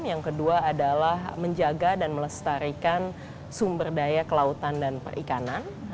yang kedua adalah menjaga dan melestarikan sumber daya kelautan dan perikanan